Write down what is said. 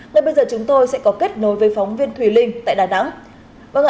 ngay bây giờ chúng tôi sẽ có kết nối với phóng viên thùy linh tại đà nẵng